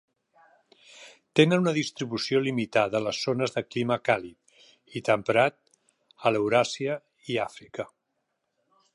Tenen una distribució limitada a les zones de clima càlid i temperat d'Euràsia i Àfrica.